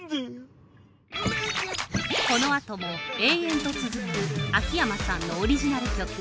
◆このあとも、延々と続く秋山さんのオリジナル曲。